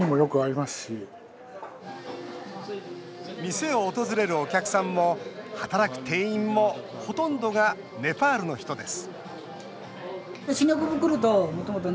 店を訪れるお客さんも働く店員もほとんどがネパールの人です